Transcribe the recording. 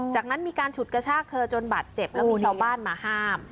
จากนั้นมีการฉุดกระชากเธอจนบาดเจ็บแล้วมีชาวบ้านมาห้าม